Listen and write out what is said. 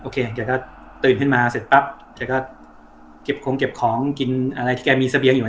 เก่าก็ตื่นเตือนมาสิทธิ์ก็เก็บคงเก็บของกินอะไรที่แกมีเสบียงอยู่